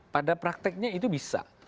pada prakteknya itu bisa